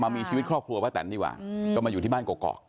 มีชีวิตครอบครัวป้าแตนดีกว่าก็มาอยู่ที่บ้านกรอก